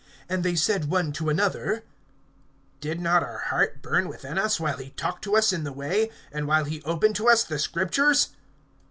(32)And they said one to another: Did not our heart burn within us, while he talked to us in the way, and while he opened to us the Scriptures?